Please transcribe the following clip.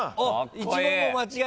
１問も間違えない？